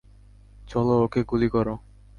চল, ওকে গুলি কর।